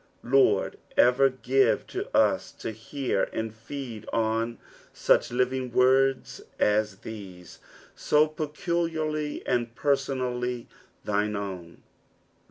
Liord, erer give us to hear and feed on such living words as these, so peculiarly and pentonall; thine own.